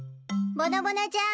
ぼのぼのちゃん